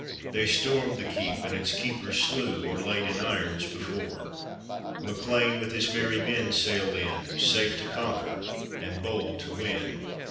They stormed the keep, and its keepers slew, Or laid in irons before; MacLean with his merry men sailed in, Safe to conquer and bold to win.